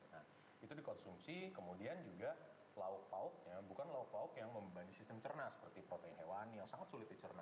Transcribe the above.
nah itu dikonsumsi kemudian juga lauk pauknya bukan lauk lauk yang membebani sistem cerna seperti protein hewan yang sangat sulit dicerna